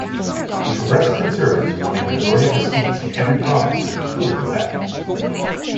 The Progressive Conservatives won a majority of the seats in every province, including Quebec.